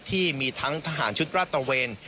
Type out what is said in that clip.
ที่มีทั้งทหารชุดราชตะเวน